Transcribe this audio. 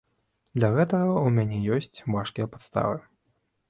Для гэтага ў мяне ёсць важкія падставы.